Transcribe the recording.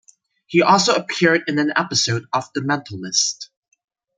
He also appeared in an episode of "The Mentalist".